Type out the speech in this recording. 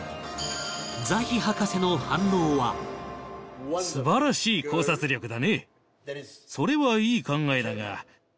ザヒ博士の反応は素晴らしい考察力だね。